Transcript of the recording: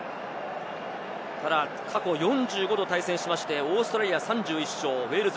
ただ過去４５度対戦して、オーストラリア３１勝、ウェールズ